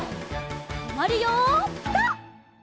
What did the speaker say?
とまるよピタ！